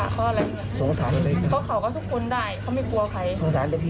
ขอบคุณครับ